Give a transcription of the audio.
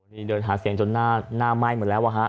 เดินหาเสียงจนหน้าไหม้เหมือนแล้ววะฮะ